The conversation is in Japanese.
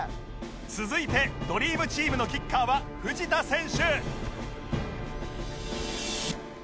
続いてドリームチームのキッカーは藤田選手